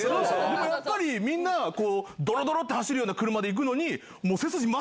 でもやっぱりみんなドロドロって走る車で行くのに。